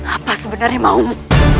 apa sebenarnya maumu